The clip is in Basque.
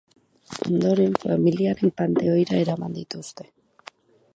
Ondoren, familiaren panteoira eraman dituzte.